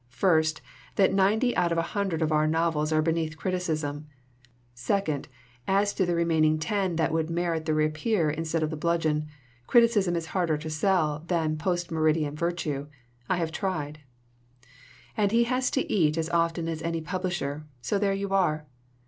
First, that ninety out of a hundred of our novels are beneath criti cism. Second, as to the remaining ten that would merit the rapier instead of the bludgeon l criti cism is harder to sell than post meridian virtue. I have tried.' "And he has to eat as often as any publisher. So there you are!